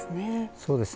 そうですね